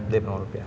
dp rupiah